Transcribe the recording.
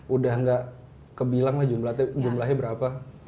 udah nggak kebilang lah jumlahnya berapa